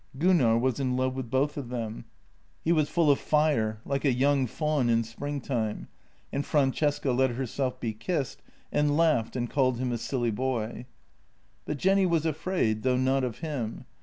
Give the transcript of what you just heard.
" Gunnar was in love with both of them. He was full of fire, JENNY 97 like a young faun in spring time, and Francesca let herself be kissed, and laughed and called him a silly boy. But Jenny was afraid, though not of him.